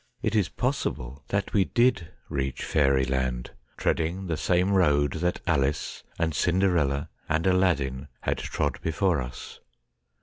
It is possible that we did reach fairyland, treading the same road that Alice and Cinderella and Aladdin had trod before us.